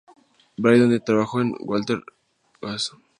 Bray, donde trabajó con Walter Lantz.